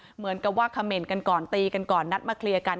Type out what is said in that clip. เหมือนกับว่าเขม่นกันก่อนตีกันก่อนนัดมาเคลียร์กัน